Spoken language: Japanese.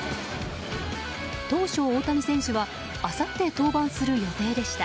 当初、大谷選手はあさって登板する予定でした。